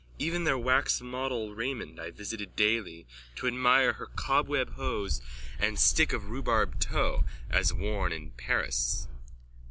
Even their wax model Raymonde I visited daily to admire her cobweb hose and stick of rhubarb toe, as worn in Paris.